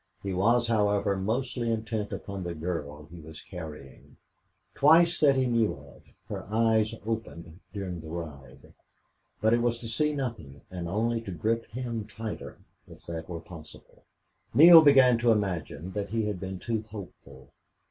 He was, however, mostly intent upon the girl he was carrying. Twice that he knew of her eyes opened during the ride. But it was to see nothing and only to grip him tighter, if that were possible. Neale began to imagine that he had been too hopeful.